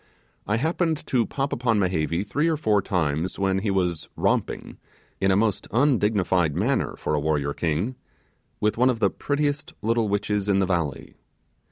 I happened to pop upon Mehevi three or four times when he was romping in a most undignified manner for a warrior king with one of the prettiest little witches in the valley.